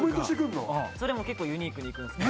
それも結構ユニークにいくんですか？